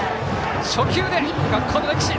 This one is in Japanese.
初球で学校の歴史。